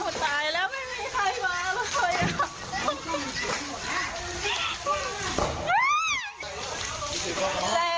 ตายแล้วไม่มีใครมาเลยค่ะ